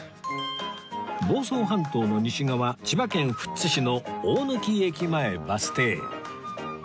房総半島の西側千葉県富津市の大貫駅前バス停